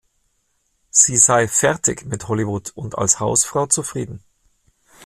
Sie sei „fertig“ mit Hollywood und als Hausfrau zufrieden.